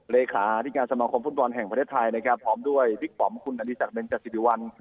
เลขาที่การสำคมพุทธวรรณแห่งประเทศไทยนะครับพร้อมด้วยฤทธิ์ป๋อมคุณอันดีศักดิ์บนรักษณ์ศิริวัณฑ์